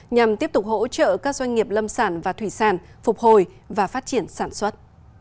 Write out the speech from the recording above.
nhằm tiếp tục hỗ trợ các doanh nghiệp lâm sản và thủy sản phục hồi và phát triển sản xuất